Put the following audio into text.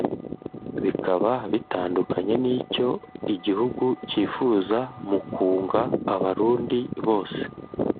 bikaba bitandukanye n’icyo igihugu cyifuza mu kunga Abarundi bose